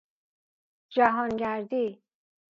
جهانگردی